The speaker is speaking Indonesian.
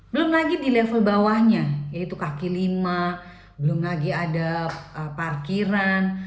belum lagi di level bawahnya yaitu kaki lima belum lagi ada parkiran